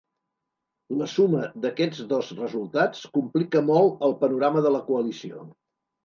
La suma d’aquests dos resultats complica molt el panorama de la coalició.